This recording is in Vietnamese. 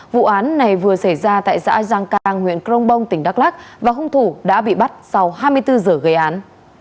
vụ án này vừa xảy ra tại xã giang cang huyện crong bong tỉnh đắk lắc và hung thủ đã bị bắt sau hai mươi bốn giờ gây án